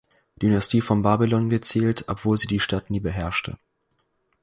Dynastie von Babylon gezählt, obwohl sie die Stadt nie beherrschte.